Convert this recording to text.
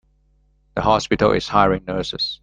The hospital is hiring nurses.